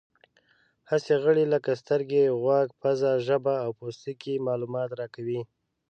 حسي غړي لکه سترګې، غوږ، پزه، ژبه او پوستکی معلومات راکوي.